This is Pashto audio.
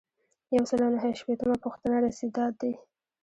یو سل او نهه شپیتمه پوښتنه رسیدات دي.